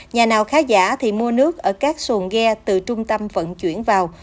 nhà nào khá giả thì mua nước ở các xuồng ghe từ trung tâm vận chuyển vào